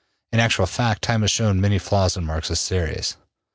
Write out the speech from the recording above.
In actual fact, time has shown many flaws in Marx's theories.